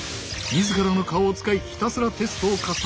自らの顔を使いひたすらテストを重ねる。